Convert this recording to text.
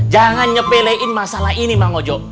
jangan nyepelein masalah ini bang ojo